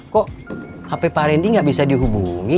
kok hp pak randy gak bisa dihubungi